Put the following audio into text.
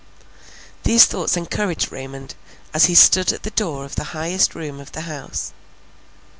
These thoughts encouraged Raymond, as he stood at the door of the highest room of the house.